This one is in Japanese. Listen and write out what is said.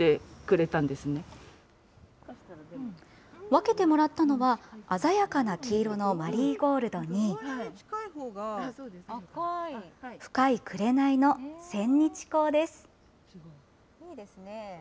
分けてもらったのは、鮮やかな黄色のマリーゴールドに、深い紅の千日紅です。